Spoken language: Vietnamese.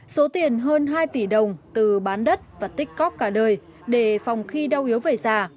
số tiền hơn hai tỷ đồng từ bán đất và tích cóc cả đời để phòng khi đau yếu về già